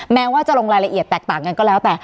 แม้ว่าจะลงรายละเอียดแตกต่างกันก็แล้วแต่